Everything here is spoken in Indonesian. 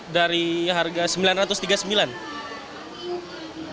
dari harga rp sembilan ratus tiga puluh sembilan